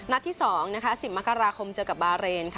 นัดที่สอง๑๐มกราคมเจอกับบารีน